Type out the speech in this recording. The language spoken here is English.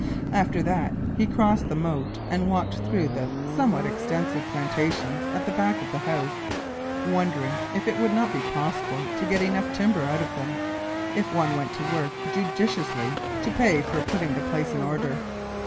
After that he crossed the moat and walked through the somewhat extensive plantations at the back of the house, wondering if it would not be possible to get enough timber out of them, if one went to work judiciously, to pay for putting the place in order.